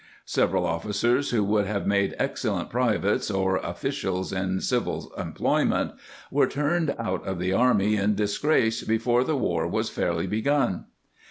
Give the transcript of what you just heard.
Several of ficers who would have made excellent privates or officials in civil employment were turned out of the army in disgrace before the war was fairly begun.